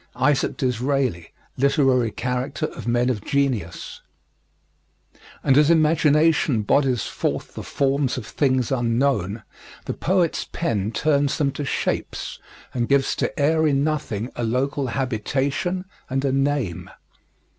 ISAAC DISRAELI, Literary Character of Men of Genius. And as imagination bodies forth The forms of things unknown, the poet's pen Turns them to shapes and gives to airy nothing A local habitation and a name.